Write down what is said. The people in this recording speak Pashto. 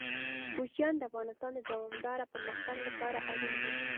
کوچیان د افغانستان د دوامداره پرمختګ لپاره اړین دي.